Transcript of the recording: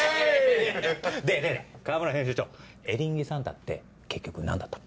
で河村編集長エリンギサンタって結局何だったの？